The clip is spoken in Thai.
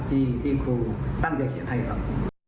ที่ครูตั้งใจเขียนให้ครับ